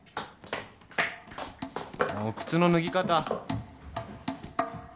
おい靴の脱ぎ方。